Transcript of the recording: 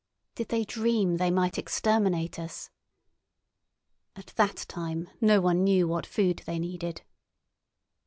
Did they dream they might exterminate us? (At that time no one knew what food they needed.)